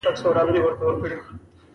چې د سرغړونو او اړوندو مسایلو څارنه سمبالوي.